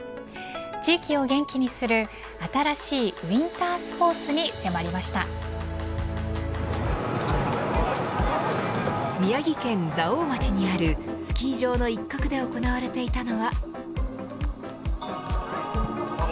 地域を元気にする新しいウインタースポーツに宮城県蔵王町にあるスキー場の一角で行われていたのは。